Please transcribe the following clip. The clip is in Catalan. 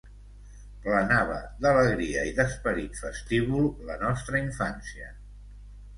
Plenava d’alegria i d’esperit festívol la nostra infància.